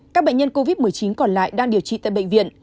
các bệnh nhân covid một mươi chín còn lại đang điều trị tại bệnh viện